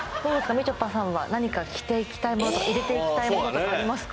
みちょぱさんは何か着ていきたいものとか入れていきたいものとかありますか？